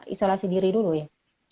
isolasi diri dulu ya